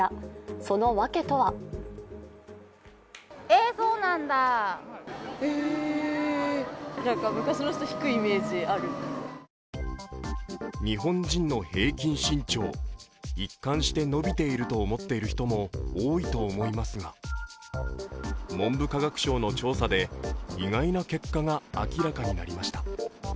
そのわけとは日本人の平均身長、一貫して伸びていると思っている人も多いと思いますが文部科学省の調査で意外な結果が明らかになりました。